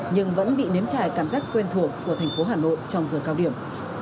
nhưng vẫn bị nếm trải cảm giác quen thuộc của thành phố hà nội trong giờ cao điểm